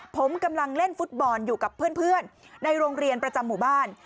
ผมกำลังเล่นฟุตบอลอยู่กับเพื่อนในโรงเรียนประจำหมู่บ้าน